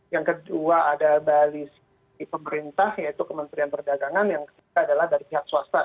yang kedua ada balis di pemerintah yaitu kementerian perdagangan yang ketiga adalah dari pihak swasta